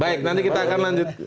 baik nanti kita akan lanjut